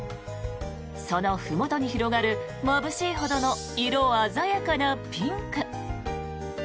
そのふもとに広がるまぶしいほどの色鮮やかなピンク。